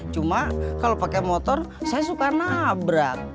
cuma kalau pakai motor saya suka nabrak